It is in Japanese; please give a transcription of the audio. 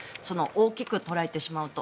大きく捉えてしまうと。